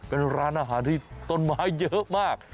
เป็นร้านอาหารที่ต้นไม้เยอะมาก